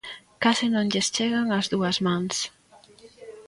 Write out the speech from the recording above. Case non lles chegan as dúas mans.